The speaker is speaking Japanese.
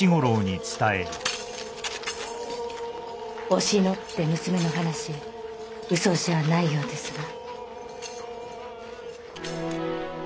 おしのって娘の話嘘じゃないようですが。